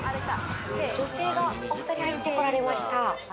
女性がお２人入ってこられました。